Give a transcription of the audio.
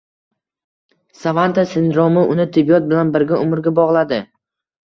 Savanta sindromi uni tibbiyot bilan bir umrga bogladi.